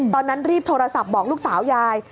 ตอนนั้นรีบโทรศัพท์บอกลูกสาวยาย